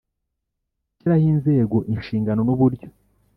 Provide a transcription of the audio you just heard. Gishyiraho inzego inshingano n uburyo